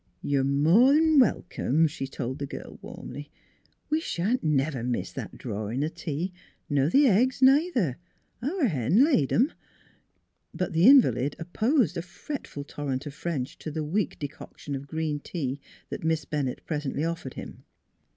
4 You're more 'n welcome," she told the girl warmly. " We shan't never miss that drorin' o' tea, ner th' eggs, neither; our hen laid 'em." But the invalid opposed a fretful torrent of French to the weak decoction of green tea Miss Bennett presently offered him.